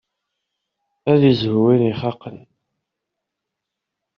Ad izhu win ixaqen.